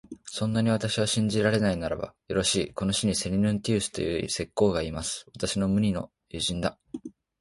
そんなに私を信じられないならば、よろしい、この市にセリヌンティウスという石工がいます。私の無二の友人だ。